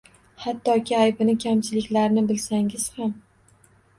Hattoki aybini, kamchiliklarini bilsangiz ham.